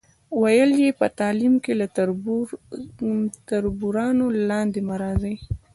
ویل یې، په تعلیم کې له تربورانو لاندې مه راځئ.